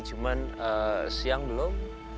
cuman siang belum